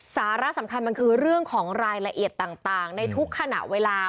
สาระสำคัญมันคือเรื่องของรายละเอียดต่างในทุกขณะเวลา